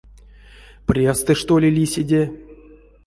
Превстэ, што ли, лисиде?